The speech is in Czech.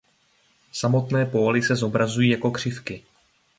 Samotné póly se zobrazují jako křivky.